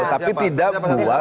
tapi tidak buat